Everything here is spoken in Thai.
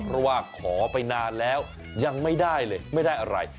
เพราะว่าขอไปนานแล้วยังไม่ได้เลยไม่ได้อะไร